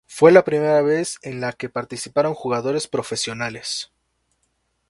Fue la primera vez en la que participaron jugadores profesionales.